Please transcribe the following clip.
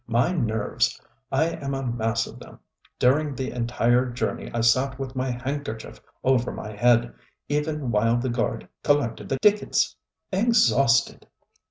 My nerves! I am a mass of them. During the entire journey I sat with my handkerchief over my head, even while the guard collected the tickets. Exhausted!